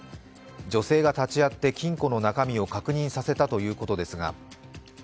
女性が立ち会って金庫の中身を確認させたということですが